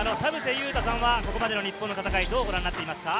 勇太さんは、日本の戦い、どうご覧になっていますか？